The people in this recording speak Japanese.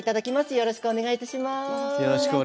よろしくお願いします。